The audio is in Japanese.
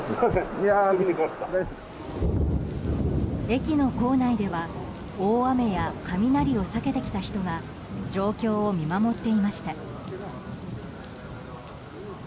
駅の構内では大雨や雷を避けてきた人が状況を見守っていました。